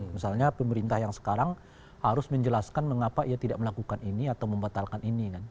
misalnya pemerintah yang sekarang harus menjelaskan mengapa ia tidak melakukan ini atau membatalkan ini kan